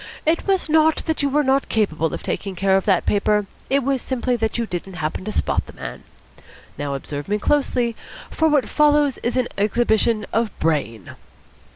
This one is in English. It was not that you were not capable of taking care of that paper: it was simply that you didn't happen to spot the man. Now observe me closely, for what follows is an exhibition of Brain."